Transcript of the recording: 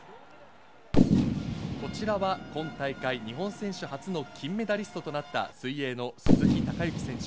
こちらは今大会日本選手初の金メダリストとなった水泳の鈴木孝幸選手。